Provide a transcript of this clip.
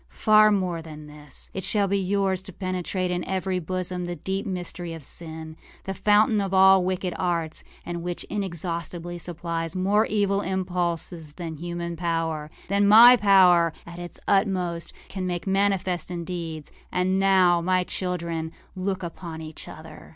Far more than this. It shall be yours to penetrate, in every bosom, the deep mystery of sin, the fountain of all wicked arts, and which inexhaustibly supplies more evil impulses than human powerâthan my power at its utmostâcan make manifest in deeds. And now, my children, look upon each other.